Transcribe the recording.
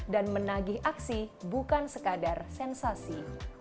dan menagih aksi bukan sekadar sensasi